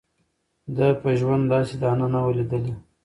ده په ژوند داسي دانه نه وه لیدلې